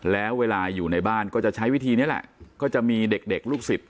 แล้วเวลาอยู่ในบ้านก็จะใช้วิธีนี้แหละก็จะมีเด็กเด็กลูกศิษย